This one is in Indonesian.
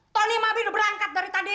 tony sama abi udah berangkat dari tadi